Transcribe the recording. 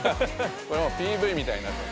これもうＰＶみたいになってる。